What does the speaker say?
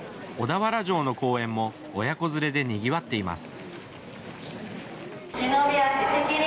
小田原城の公園も親子連れでにぎわっています。